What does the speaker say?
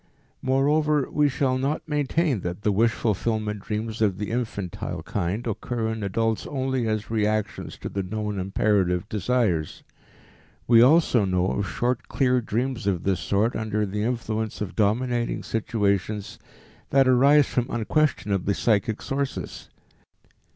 Moreover we shall not maintain that the wish fulfillment dreams of the infantile kind occur in adults only as reactions to the known imperative desires. We also know of short clear dreams of this sort under the influence of dominating situations that arise from unquestionably psychic sources.